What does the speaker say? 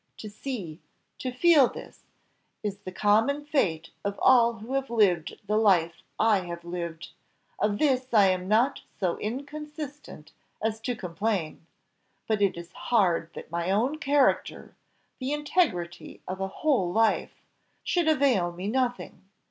To see to feel this is the common fate of all who have lived the life I have lived; of this I am not so inconsistent as to complain. But it is hard that my own character the integrity of a whole life should avail me nothing!